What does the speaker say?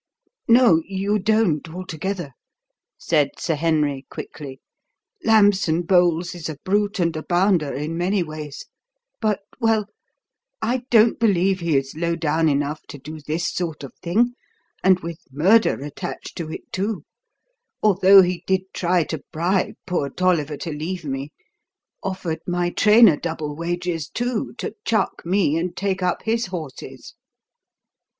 "No, you don't altogether," said Sir Henry quickly. "Lambson Bowles is a brute and a bounder in many ways, but well, I don't believe he is low down enough to do this sort of thing and with murder attached to it, too although he did try to bribe poor Tolliver to leave me. Offered my trainer double wages, too, to chuck me and take up his horses."